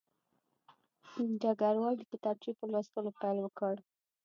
ډګروال د کتابچې په لوستلو پیل وکړ